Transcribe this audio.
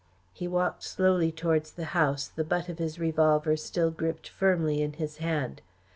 He walked slowly towards the house, the butt of his revolver still gripped firmly in his hand.